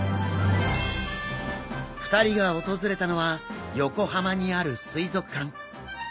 ２人が訪れたのは横浜にある水族館。